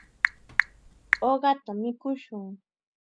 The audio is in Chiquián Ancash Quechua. Uqata mikushun.